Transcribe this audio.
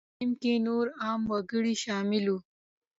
په درېیم کې نور عام وګړي شامل وو.